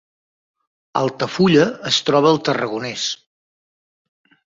Altafulla es troba al Tarragonès